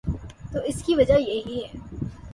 تو اس کی وجہ یہی ہے۔